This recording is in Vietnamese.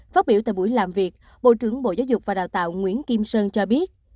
phát biểu tại buổi làm việc bộ trưởng bộ giáo dục và đào tạo nguyễn kim sơn cho biết